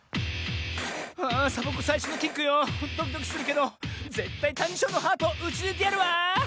あサボ子さいしょのキックよドキドキするけどぜったいタニショーのハートをうちぬいてやるわ！